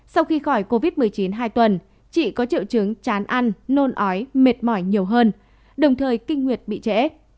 sau khi khỏi covid một mươi chín hai tuần chị có triệu chứng chán ăn nôn ói mệt mỏi nhiều hơn đồng thời kinh nguyệt bị trễ